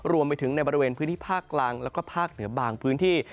รวมไปถึงในบริเวณพื้นที่ภาคกลางแล้วก็ภาคเหนือบางพื้นที่